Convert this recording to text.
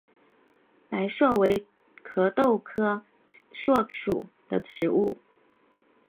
白栎为壳斗科栎属的植物。